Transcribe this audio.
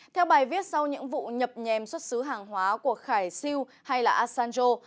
theo bài viết sau những vụ nhập nhèm xuất xứ hàng hóa của khải siêu hay là asanjo